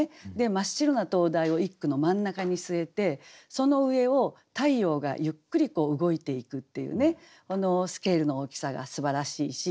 真っ白な灯台を一句の真ん中に据えてその上を太陽がゆっくり動いていくっていうねこのスケールの大きさがすばらしいし。